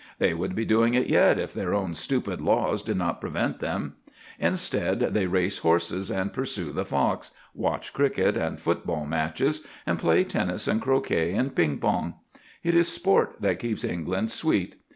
They would be doing it yet, if their own stupid laws did not prevent them. Instead they race horses and pursue the fox, watch cricket and football matches, and play tennis and croquet and ping pong. It is sport that keeps England sweet.